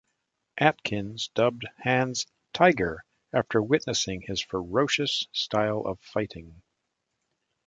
Atkins dubbed Hans "Tiger" after witnessing his ferocious style of fighting.